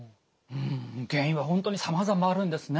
原因は本当にさまざまあるんですね。